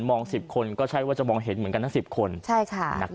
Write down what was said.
มอง๑๐คนก็ใช่ว่าจะมองเห็นเหมือนกันทั้ง๑๐คน